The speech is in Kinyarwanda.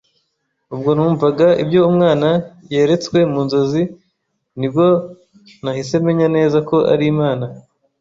Ubwo numvaga ibyo umwana yeretswe mu nzozi nibwo nahise menya neza ko ari Imana